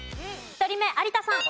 １人目有田さん。